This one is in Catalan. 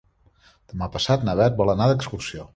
Demà passat na Beth vol anar d'excursió.